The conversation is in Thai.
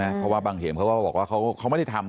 เพราะว่าบางเหมเขาก็บอกว่าเขาไม่ได้ทำ